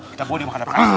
kita boleh makan api